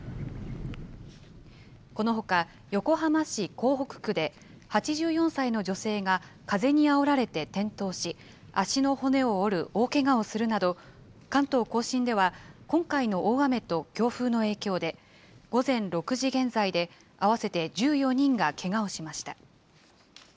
このほか、横浜市港北区で、８４歳の女性が風にあおられて転倒し、足の骨を折る大けがをするなど、関東甲信では今回の大雨と強風の影響で、午前６時現在で合わせて１４人がけがをしました。